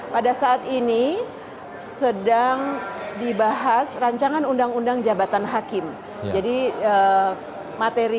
pada saat ini sedang dibahas rancangan undang undang jabatan hakim jadi materi